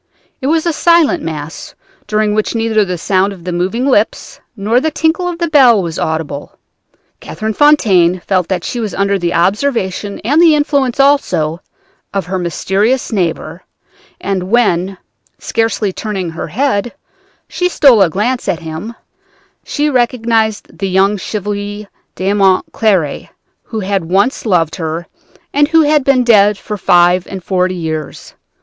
It was a silent Mass, during which neither the sound of the moving lips nor the tinkle of the bell was audible. Catherine Fontaine felt that she was under the observation and the influence also of her mysterious neighbor, and when, scarcely turning her head, she stole a glance at him, she recognized the young Chevalier d'Aumont Cléry, who had once loved her, and who had been dead for five and forty years.